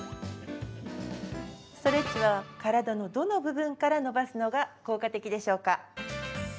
ストレッチは体のどの部分から伸ばすのが効果的でしょうか？